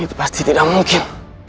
ini pasti tidak mungkin